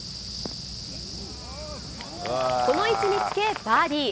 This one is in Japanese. この位置につけ、バーディー。